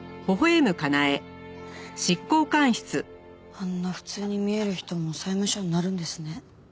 あんな普通に見える人も債務者になるんですね。